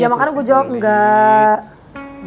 ya makanya gue jawab enggak